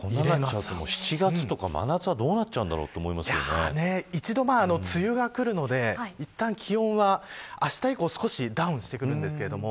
７月とか真夏はどうなっちゃうんだろうと一度梅雨が来るのでいったん気温は、あした以降少しダウンしてくるんですけれども。